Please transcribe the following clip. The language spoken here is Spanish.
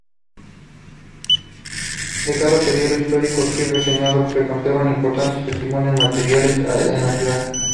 De cada período histórico aquí reseñado se conservan importantes testimonios materiales en la ciudad.